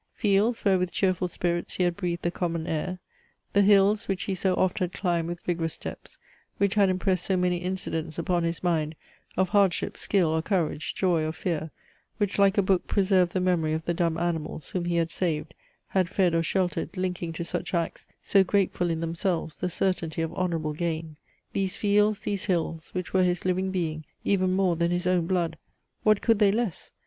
Fields, where with cheerful spirits he had breathed The common air; the hills, which he so oft Had climbed with vigorous steps; which had impressed So many incidents upon his mind Of hardship, skill or courage, joy or fear; Which, like a book, preserved the memory Of the dumb animals, whom he had saved, Had fed or sheltered, linking to such acts, So grateful in themselves, the certainty Of honourable gain; these fields, these hills Which were his living Being, even more Than his own blood what could they less?